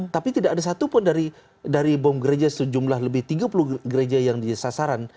tapi tidak ada satupun dari bom gereja sejumlah lebih tiga puluh gereja yang disasaran